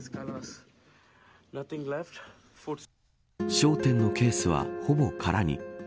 商店のケースはほぼ空に。